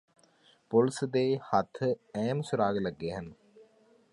police ਦੇ ਹੱਥ ਅਹਿਮ ਸੁਰਾਗ ਲੱਗੇ ਹਨ